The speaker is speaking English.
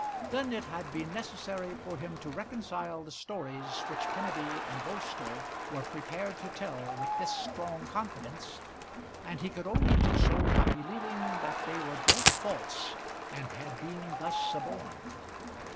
Then it had been necessary for him to reconcile the stories which Kenneby and Bolster were prepared to tell with this strong confidence, and he could only do so by believing that they were both false and had been thus suborned.